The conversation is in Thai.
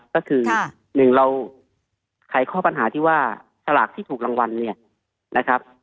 ก็คือหนึ่งเราไขข้อปัญหาที่ว่าสลากที่ถูกรางวัลเนี่ยนะครับ